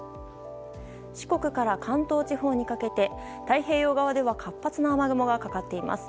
四国から関東地方にかけて太平洋側では活発な雨雲がかかっています。